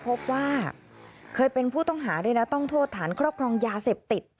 พบว่าเคยเป็นผู้ต้องหาด้วยนะต้องโทษฐานครอบครองยาเสพติด